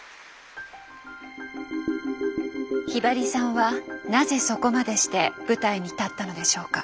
ひばりさんはなぜそこまでして舞台に立ったのでしょうか？